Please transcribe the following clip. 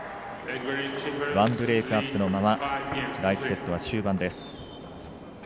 １ブレークアップのまま第１セットは終盤です。